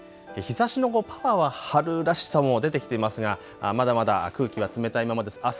日ざしのパワーは春らしさも出てきていますがまだまだ空気は冷たいままです。